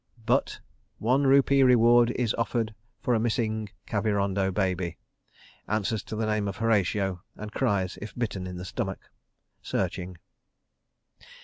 But—One rupee reward is offered for a missing Kavirondo baby. Answers to the name of Horatio, and cries if bitten in the stomach. ... Searching.